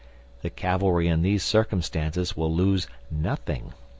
The cavalry in these circumstances will lose nothing.